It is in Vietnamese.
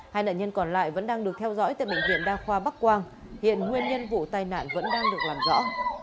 hai nạn nhân còn lại vẫn đang được theo dõi tại bệnh viện đa khoa bắc quang hiện nguyên nhân vụ tai nạn vẫn đang được làm rõ